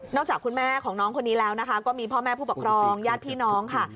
จากคุณแม่ของน้องคนนี้แล้วนะคะก็มีพ่อแม่ผู้ปกครองญาติพี่น้องค่ะ